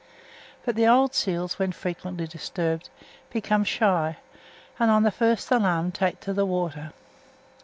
But the old seals, when frequently disturbed, become shy, and, on the first alarm, take to the water.